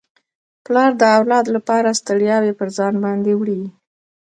پلار د اولاد لپاره ستړياوي پر ځان باندي وړي.